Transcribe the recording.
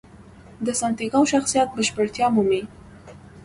د سانتیاګو شخصیت بشپړتیا مومي.